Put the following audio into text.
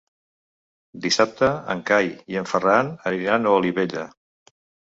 Dissabte en Cai i en Ferran aniran a Olivella.